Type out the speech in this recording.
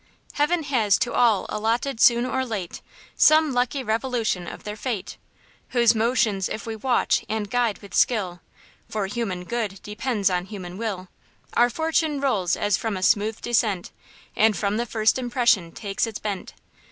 Heaven has to all allotted soon or late Some lucky revolution of their fate; Whose motions if we watch and guide with skill (For human good depends on human will) Our fortune rolls as from a smooth descent. And from the first impression takes its bent.